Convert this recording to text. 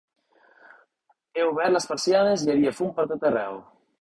He obert les persianes i hi havia fum per tot arreu.